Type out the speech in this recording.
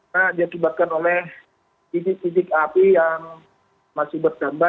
nah dia dibatkan oleh titik titik api yang masih berkelanjutan